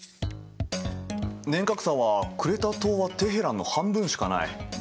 年較差はクレタ島はテヘランの半分しかない。